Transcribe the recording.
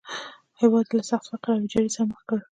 هېواد یې له سخت فقر او ویجاړۍ سره مخ کړ.